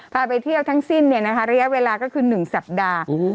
ไปเที่ยวทั้งสิ้นระยะเวลาก็คือ๑สัปดาห์